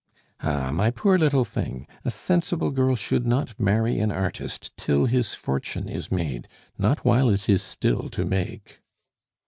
"Ah, my poor little thing! a sensible girl should not marry an artist till his fortune is made not while it is still to make."